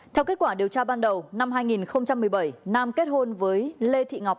theo kết quả điều tra ban đầu năm hai nghìn một mươi bảy nam kết hôn với lê thị ngọc